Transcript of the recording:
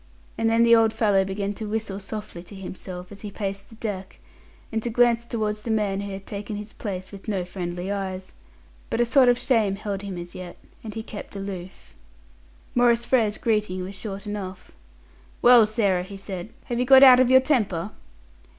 And then the old fellow began to whistle softly to himself as he paced the deck, and to glance towards the man who had taken his place with no friendly eyes. But a sort of shame held him as yet, and he kept aloof. Maurice Frere's greeting was short enough. "Well, Sarah," he said, "have you got out of your temper?"